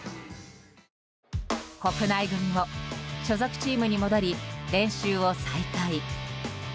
国内組も所属チームに戻り練習を再開。